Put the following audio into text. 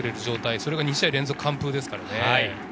それが２試合連続完封ですからね。